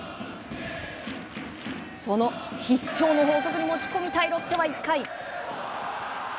その必勝の法則に持ち込みたいロッテは１回。